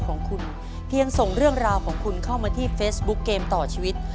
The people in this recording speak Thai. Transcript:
ของคุณเพียงส่งเรื่องราวของคุณเข้ามาที่เฟซบุ๊กเกมต่อชีวิต